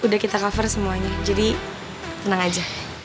udah kita cover semuanya jadi tenang aja